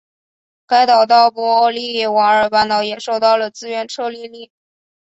该岛到波利瓦尔半岛也收到了自愿撤离令。